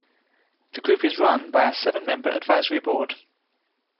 The group is run by a seven-member advisory board.